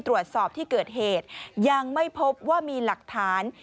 ตรวจสอบที่เกิดเหตุยังไม่พบว่ามีหลักฐาน